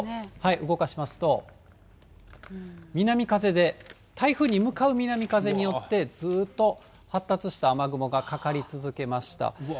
動かしますと、南風で台風に向かう南風によって、ずーっと発達した雨雲がかかり続けました。